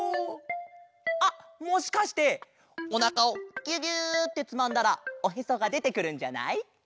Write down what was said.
あっもしかしておなかをギュギュッてつまんだらおへそがでてくるんじゃない？